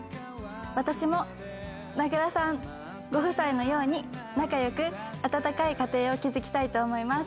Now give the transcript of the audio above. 私も名倉さんご夫妻のように、仲よく温かい家庭を築きたいと思います。